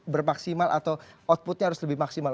bermaksimal atau outputnya harus lebih maksimal